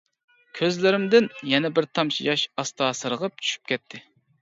كۆزلىرىمدىن يەنە بىر تامچە ياش ئاستا سىرغىپ چۈشۈپ كەتتى.